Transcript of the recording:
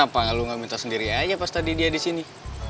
tapi kenapa lo gak minta sendiri aja pas tadi dia disini